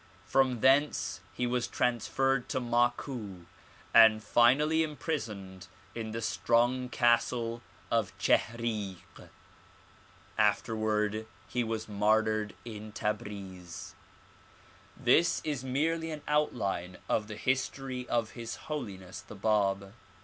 From thence he was transferred to Maku and finally imprisoned in the strong castle of Chihrik. After ward he was martyred in Tabriz. This is merely an outline of the history of His Holiness the Bab.